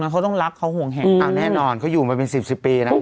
ขอให้ใช้ชาวบ้านในพื้นที่